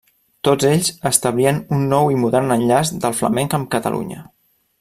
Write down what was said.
Tots ells establien un nou i modern enllaç del flamenc amb Catalunya.